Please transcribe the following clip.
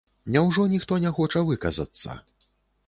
Няўжо ніхто не хоча выказацца?